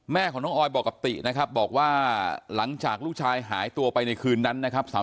แม่ของน้องออยบอกกับตินะครับบอกว่าหลังจากลูกชายหายตัวไปในคืนนั้นนะครับ